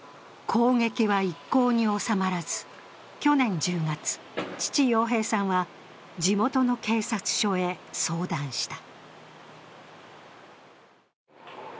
攻撃は一向に収まらず、去年１０月、父・陽平さんは地元の警察署へ相談した。